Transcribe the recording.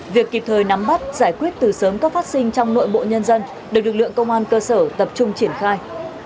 việc kịp thời nắm bắt giải quyết từ sớm các phát sinh trong nội bộ nhân dân được lực lượng công an cơ sở tập trung triển khai